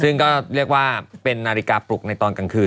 ซึ่งก็เรียกว่าเป็นนาฬิกาปลุกในตอนกลางคืน